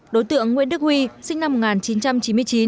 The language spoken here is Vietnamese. đối tượng nguyễn đức huy sinh năm một nghìn chín trăm chín mươi chín